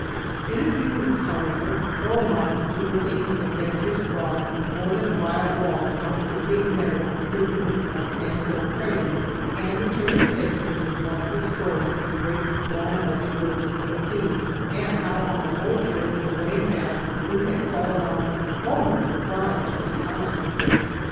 In a few weeks, however, or a month, we were taking adventurous rides more than a mile long out to a big meadow frequented by sandhill cranes, and returning safely with wonderful stories of the great long legged birds we had seen, and how on the whole journey away and back we had fallen off only five or six times.